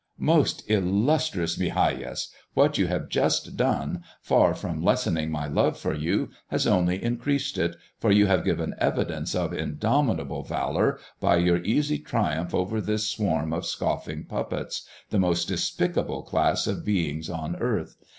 "Most illustrious Migajas, what you have just done, far from lessening my love for you, has only increased it, for you have given evidence of indomitable valor by your easy triumph over this swarm of scoffing puppets, the most despicable class of beings on earth.